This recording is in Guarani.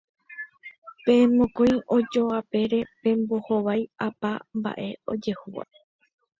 Peẽ mokõi ojoapére pembohovái opa mba'e ojehúva